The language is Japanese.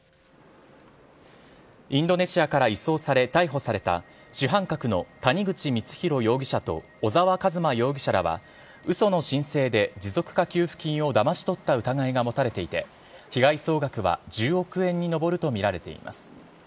インドネシアから移送され逮捕された、主犯格の谷口光弘容疑者と小沢一真容疑者らは、うその申請で持続化給付金をだまし取った疑いが持たれていて、被害総額は１０億円に上ると見られています。